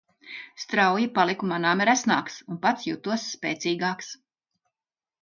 Strauji paliku manāmi resnāks un pats jutos spēcīgāks.